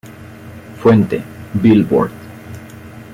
Fuente: "Billboard".